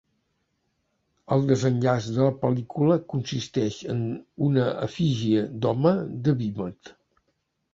El desenllaç de la pel·lícula consisteix en una efígie d'home de vímet.